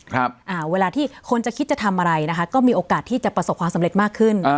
เวลาที่คนจะคิดจะทำอะไรนะคะก็มีโอกาสที่จะประสบความสำเร็จมากขึ้นอ่า